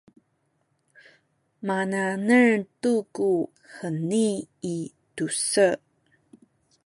mana’nel tu ku heni i tu-se